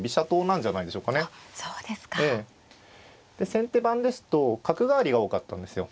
先手番ですと角換わりが多かったんですよ。